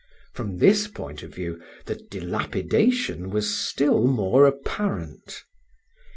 From this point of view, the dilapidation was still more apparent.